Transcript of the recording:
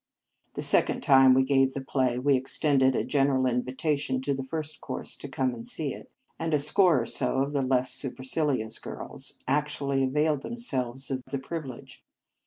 The second time we gave the play, we ex tended a general invitation to the First Cours to come and see it; and a score or so of the less supercilious girls actually availed themselves of the privilege.